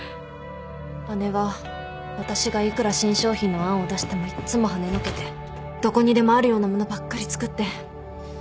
姉は私がいくら新商品の案を出してもいっつもはねのけてどこにでもあるようなものばっかり作って。